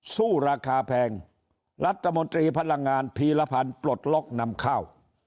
สู้ราคาแพงรัฐมนตรีพลังงานพีรพันธ์ปลดล็อกนำข้าว